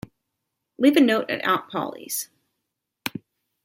Leave a note at Aunt Polly's.